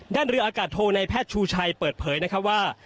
ด้านเรืออากาศโทรในแพทย์ชูชัยเปิดเผยว่า